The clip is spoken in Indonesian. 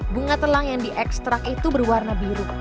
bunga telang yang diekstrak itu berwarna biru